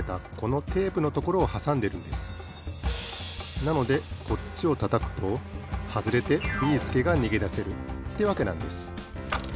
なのでこっちをたたくとはずれてビーすけがにげだせるってわけなんです。